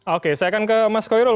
oke saya akan ke mas koirul